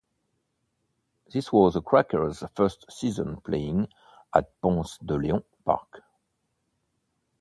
This was the Crackers first season playing at Ponce de Leon Park.